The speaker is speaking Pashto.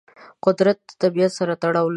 قدرت د طبیعت سره تړاو لري.